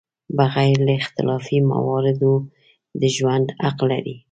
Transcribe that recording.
بغیر له اختلافي مواردو د ژوند حق لري.